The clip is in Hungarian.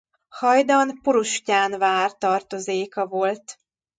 Hajdan Purustyán-vár tartozéka volt.